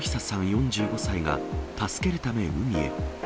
４５歳が、助けるため海へ。